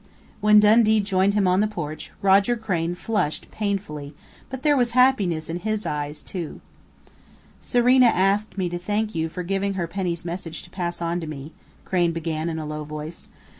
When Dundee joined him on the porch, Roger Crain flushed painfully but there was happiness in his eyes, too.... "Serena asked me to thank you for giving her Penny's message to pass on to me," Crain began in a low voice.